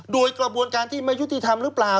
โดยกระบวนการที่ไม่ยุติธรรมหรือเปล่า